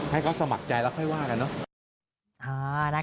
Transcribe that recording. ให้เขาสมัครใจแล้วค่อยว่ากันเนอะ